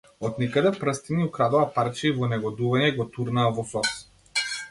Од никаде прстиња украдоа парче и во негодување го турнаа во сос.